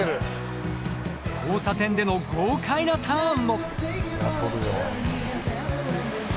交差点での豪快なターンも。